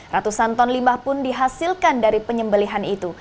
ratusan ton limbah pun dihasilkan dari penyembelihan itu